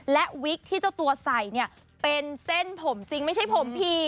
และวิกที่เจ้าตัวใส่เนี่ยเป็นเส้นผมจริงไม่ใช่ผมผิด